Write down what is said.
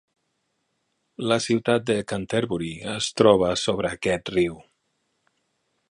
La ciutat de Canterbury es troba sobre aquest riu.